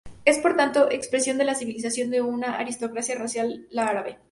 Es, por tanto, expresión de la civilización de una aristocracia racial, la árabe.